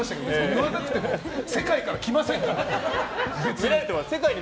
言わなくても世界から来ませんから、別に。